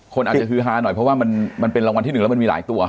คนอาจจะฮือฮาหน่อยเพราะว่ามันเป็นรางวัลที่๑แล้วมันมีหลายตัว